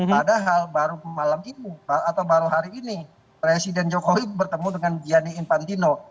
padahal baru malam ini atau baru hari ini presiden jokowi bertemu dengan gianni infantino